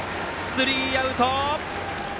スリーアウト。